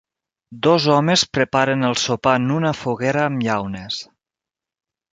Dos homes preparen el sopar en una foguera amb llaunes.